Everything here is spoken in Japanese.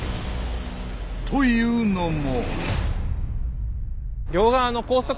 というのも。